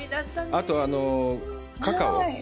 あと、カカオ。